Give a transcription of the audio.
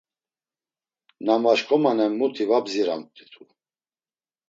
Na maşǩomanen muti va bziramt̆itu.